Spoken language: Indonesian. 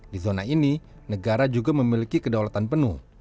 di zona ini negara juga memiliki kedaulatan penuh